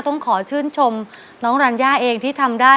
ต้องขอชื่นชมน้องรัญญาเองที่ทำได้